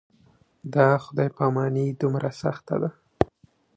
دا خدای پاماني دومره سخته ده.